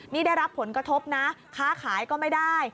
นี่ได้รับผลกระทบนะค้าขายก็ไม่ได้